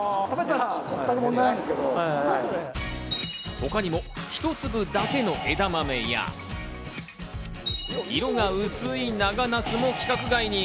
他にも一粒だけの枝豆や、色が薄い長なすも規格外に。